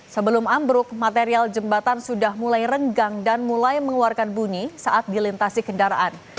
sebelum ambruk material jembatan sudah mulai renggang dan mulai mengeluarkan bunyi saat dilintasi kendaraan